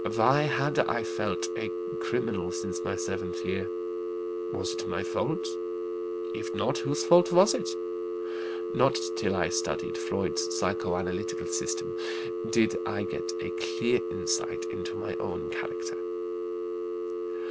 Why had I felt a criminal since my seventh year? Was it my fault? If not, whose fault was it? Not till I studied Freud's psychoanalytical system did I get a clear insight into my own character.